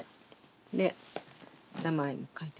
で名前も書いて。